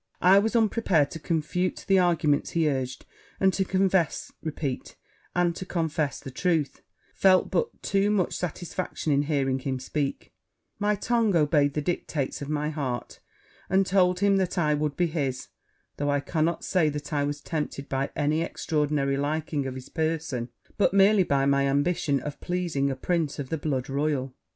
I was unprepared to confute the arguments he urged; and, to confess the truth, felt but too much satisfaction in hearing him speak: my tongue obeyed the dictates of my heart, and told him that I would be his, though I cannot say that I was tempted by any extraordinary liking of his person, but merely by my ambition of pleasing a prince of the blood royal.